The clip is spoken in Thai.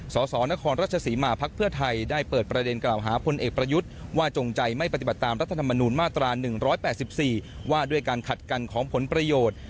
สสนครราชศรีมาภักดิ์เพื่อไทยได้เปิดประเด็นกล่าวหาพลเอกประยุทธ์ว่าจงใจไม่ปฏิบัติตามรัฐธรรมนูญมาตรา๑๘๔ว่าด้วยการขัดกันของผลประโยชน์